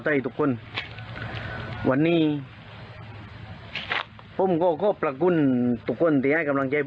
ใดที่เป็นกำลังใจ